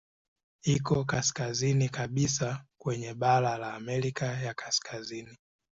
Iko kaskazini kabisa kwenye bara la Amerika ya Kaskazini.